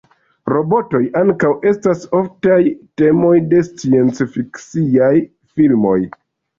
Robotoj ankaŭ estas oftaj temoj de sciencfiksiaj filmoj.